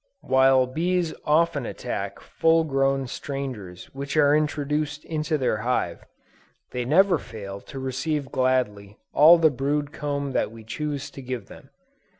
While bees often attack full grown strangers which are introduced into their hive, they never fail to receive gladly all the brood comb that we choose to give them.